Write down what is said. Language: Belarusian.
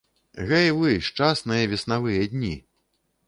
Гэй вы, шчасныя веснавыя дні!